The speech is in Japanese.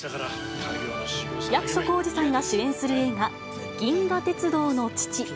役所広司さんが主演する映画、銀河鉄道の父。